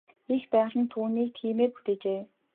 Эх байгаль нь түүнийг тиймээр бүтээжээ.